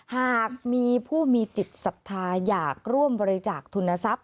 หากมีผู้มีจิตสัตว์ทายอยากร่วมบริจักษ์ทุนทรัพย์